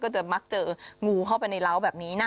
จะมักเจองูเข้าไปในร้าวแบบนี้นะ